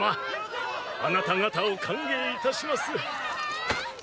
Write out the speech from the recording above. あなた方を歓迎いたします。